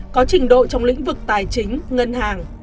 có trình độ trong lĩnh vực tài chính ngân hàng